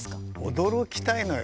驚きたいのよ。